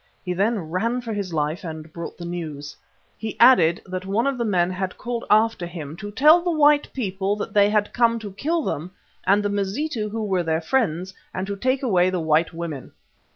He then ran for his life and brought the news. He added that one of the men had called after him to tell the white people that they had come to kill them and the Mazitu who were their friends and to take away the white women.